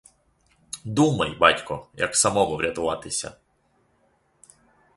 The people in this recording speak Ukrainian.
Думай, батьку, як самому врятуватися.